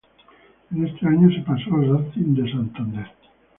En ese año se pasó al Racing de Santander.